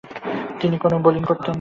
তিনি কোন বোলিং করতেন না।